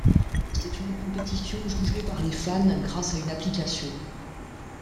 C'est une compétition jugée par les fans grâce à une application.